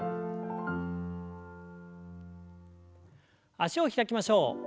脚を開きましょう。